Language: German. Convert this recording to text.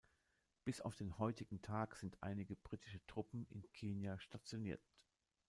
Bis auf den heutigen Tag sind einige britische Truppen in Kenia stationiert.